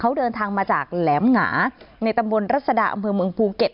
เขาเดินทางมาจากแหลมหงาในตำบลรัศดาอำเภอเมืองภูเก็ต